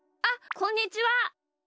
こんにちは。